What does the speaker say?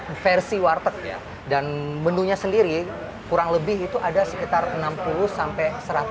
untuk versi warteg dan menunya sendiri kurang lebih itu ada sekitar enam puluh sampai seratus